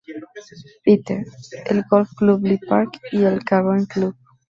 Peter, el Golf Club Lee Park, y el Cavern Club.